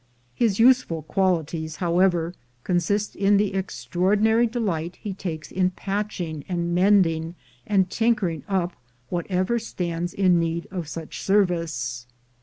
His useful qualities, however, consist in tae extraordi nary delight he takes in patching and mendmg, and tinkering up whatever stands in need of such service.